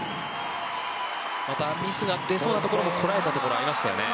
また、ミスが出そうなところでこらえたところがありましたね。